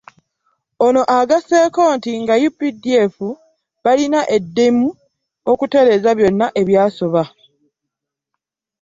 Ono agasseeko nti nga UPDF balina eddimu okutereeza byonna ebyasoba